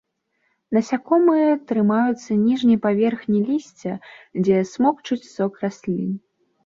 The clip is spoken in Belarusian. Насякомыя трымаюцца ніжняй паверхні лісця, дзе смокчуць сок раслін.